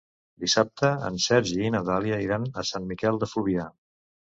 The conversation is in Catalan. Dissabte en Sergi i na Dàlia iran a Sant Miquel de Fluvià.